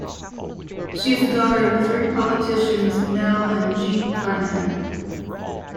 She is the daughter of Missouri politicians Mel and Jean Carnahan.